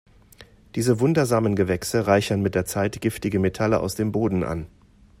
Diese wundersamen Gewächse reichern mit der Zeit giftige Metalle aus dem Boden an.